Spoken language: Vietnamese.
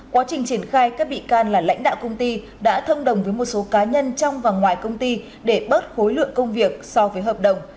quá trình triển khai các bị can là lãnh đạo công ty đã thông đồng với một số cá nhân trong và ngoài công ty để bớt khối lượng công việc so với hợp đồng